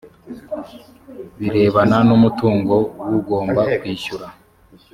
birebana n umutungo w ugomba kwishyura